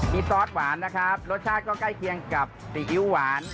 มีซอสหวานนะครับรสชาติก็ใกล้เคียงกับซีอิ๊วหวาน